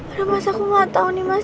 aduh mas aku gak tau nih mas